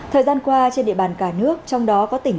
thời gian qua trên địa bàn cả nước trong đó có tỉnh